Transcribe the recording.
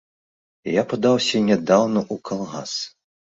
Я падаўся нядаўна ў калгас.